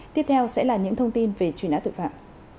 tiếp theo sẽ là những thông tin về truy nã tội phạm